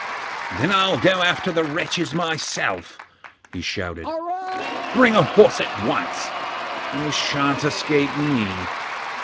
'Then I'll go after the wretches myself,' he shouted. 'Bring a horse at once; they shan't escape me.